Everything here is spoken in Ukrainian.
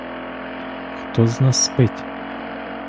Хто з нас спить?